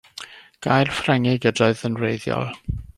Gair Ffrengig ydoedd yn wreiddiol.